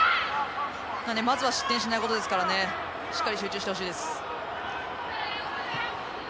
まずは失点しないことですからねしっかり集中してほしいです。